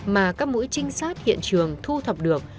mà các mũi trinh sát hiện trường thu thập được